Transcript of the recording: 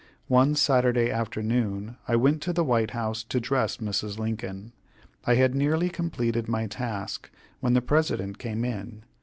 One Saturday afternoon I went to the White House to dress Mrs. Lincoln. I had nearly completed my task when the President came in.